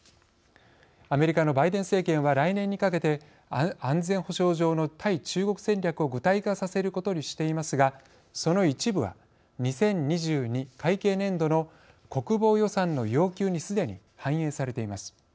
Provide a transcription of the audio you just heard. アメリカのバイデン政権は来年にかけて安全保障上の対中国戦略を具体化させることにしていますがその一部は２０２２年会計年度の国防予算の要求にすでに反映されています。